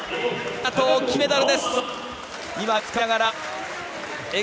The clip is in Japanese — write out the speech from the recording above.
高藤、金メダルです！